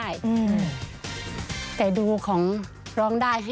สวัสดีค่ะสวัสดีค่ะ